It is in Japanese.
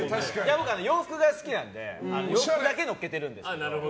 僕洋服が好きなので洋服だけのっけてるんです。